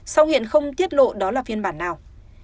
song hiện không tiết lộ đó là phiên bản nào